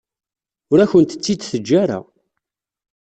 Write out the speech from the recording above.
Ur akent-tt-id-teǧǧa ara.